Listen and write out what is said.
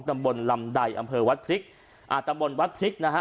ตำบลลำใดอำเภอวัดพริกอ่าตำบลวัดพริกนะฮะ